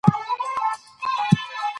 ته به کله خپلي ليکنې خپرې کړې؟